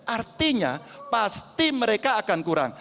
artinya pasti mereka akan kurang